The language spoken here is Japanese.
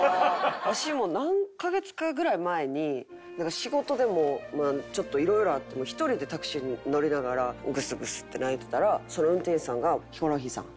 わしも何カ月かぐらい前に仕事でもうちょっといろいろあって１人でタクシーに乗りながらグスグスって泣いてたらその運転手さんが。